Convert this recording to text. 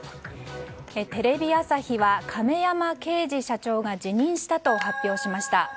テレビ朝日は亀山慶二社長が辞任したと発表しました。